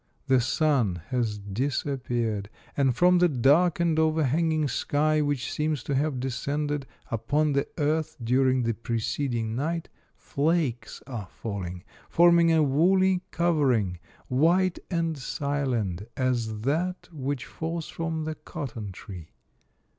The sun has dis appeared, and from the darkened overhanging sky, which seems to have descended upon the earth dur ing the preceding night, flakes are faUing, forming a woolly covering, white and silent as that which falls from the cotton tree.